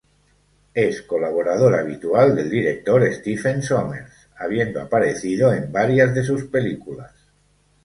Es colaborador habitual del director Stephen Sommers, habiendo aparecido en varias de sus películas.